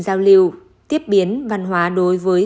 giao lưu tiếp biến văn hóa đối với